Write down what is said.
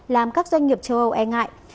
làm các doanh nghiệp châu âu e ngại